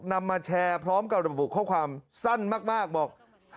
นำมาแชร์พร้อมกับระบุข้อความสั้นมากบอก